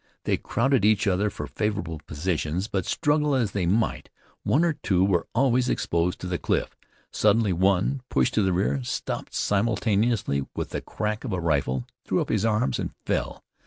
They crowded each other for favorable positions, but, struggle as they might, one or two were always exposed to the cliff. Suddenly one, pushed to the rear, stopped simultaneously with the crack of a rifle, threw up his arms and fell.